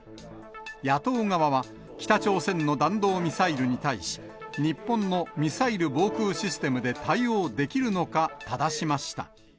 野党側は、北朝鮮の弾道ミサイルに対し、日本のミサイル防空システムで対応できるのかただしました。